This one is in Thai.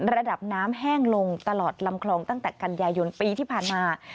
ระดับน้ำแห้งลงตลอดลำคลองตั้งแต่กันยายนปีที่ผ่านมา